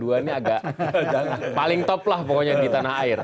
satu dan dua ini agak paling top lah pokoknya di tanah air